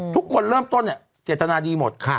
ทุกคนเริ่มต้นเนี่ยเจตนาดีหมด